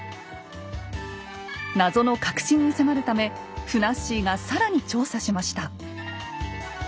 謎の核心に迫るためふなっしーが更に調査しました。